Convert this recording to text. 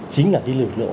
chính là cái lực lượng